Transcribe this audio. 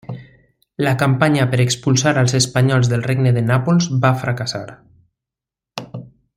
La campanya per expulsar als espanyols del Regne de Nàpols va fracassar.